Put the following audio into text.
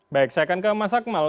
baik saya akan ke mas akmal